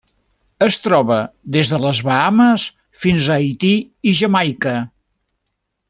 Es troba des de les Bahames fins a Haití i Jamaica.